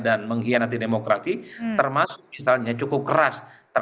dan mengkhianati demokrati termasuk misalnya cukup keras